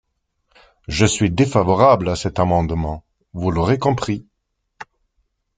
Je suis défavorable à cet amendement, vous l’aurez compris.